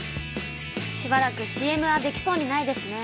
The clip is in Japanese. しばらくＣＭはできそうにないですね。